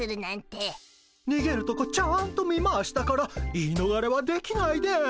にげるとこちゃんと見ましたから言い逃れはできないです。